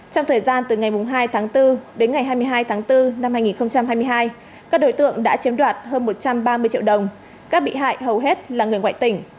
trong thời gian từ ngày hai tháng bốn đến ngày hai mươi hai tháng bốn năm hai nghìn hai mươi hai các đối tượng đã chiếm đoạt hơn một trăm ba mươi triệu đồng các bị hại hầu hết là người ngoại tỉnh